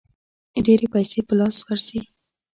ډېرې پیسې په لاس ورځي.